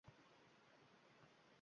O’lkamizga bahor fasli ham kirib keldi.